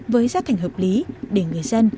với rác thải hợp lý để người dân